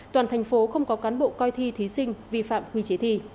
toàn thành phố không có cán bộ coi thi thí sinh vi phạm quy chế thi